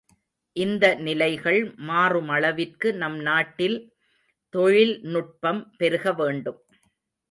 இந்த நிலைகள் மாறுமளவிற்கு நம் நாட்டில் தொழில் நுட்பம் பெருகவேண்டும்.